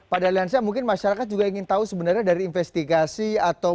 pak daliansyah mungkin masyarakat juga ingin tahu sebenarnya dari investigasi atau